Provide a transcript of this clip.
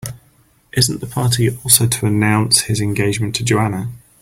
Isn't the party also to announce his engagement to Joanna?